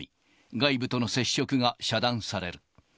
外部との接触が遮断される。